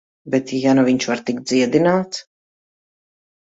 Bet ja nu viņš var tikt dziedināts...